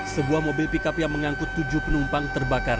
sebuah mobil pickup yang mengangkut tujuh penumpang terbakar